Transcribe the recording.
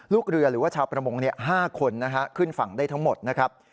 ลูกเรือหรือว่าชาวประมง๕คนขึ้นฝั่งได้ทั้งหมดนะครับ